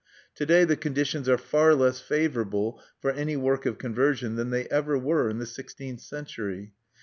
To day the conditions are far less favorable for any work of conversion than they ever were in the sixteenth century.